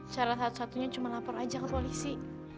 salah satu satunya cuma lapor aja ke polisi